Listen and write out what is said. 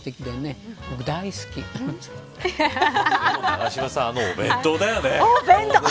永島さん、あのお弁当だよね。